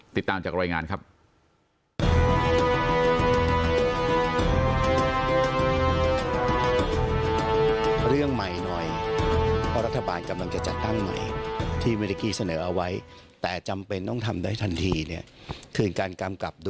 ติดตามจากรายงานครับ